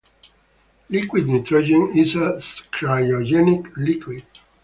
Liquid nitrogen is a cryogenic liquid.